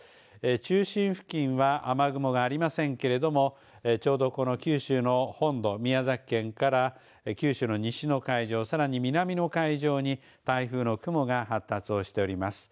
中心付近は雨雲がありませんけれどもちょうど九州の本土、宮崎県から九州の西の海上、さらに南の海上に台風の雲が発達をしております。